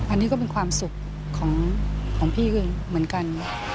อันนี้ก็เป็นความสุขของพี่เองเหมือนกัน